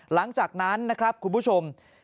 หลังจากนั้นนะครับคุณผู้ชม